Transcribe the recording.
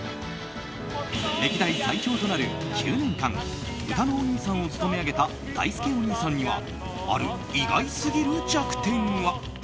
歴代最長となる９年間うたのおにいさんを務め上げただいすけおにいさんにはある意外すぎる弱点が。